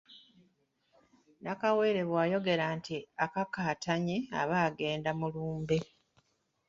Nakawere bw’ayogera nti akakaatanye aba agenda mu lumbe.